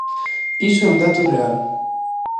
Iso é un dato real.